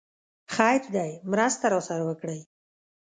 خير دی! مرسته راسره وکړئ!